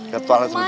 ke tuarang sebentar